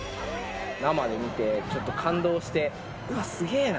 生で見て、ちょっと感動して、うわ、すげえな。